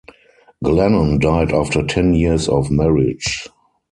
Glennon died after ten years of marriage.